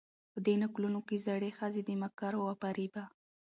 په دې نکلونو کې زړې ښځې د مکرو و فرېبه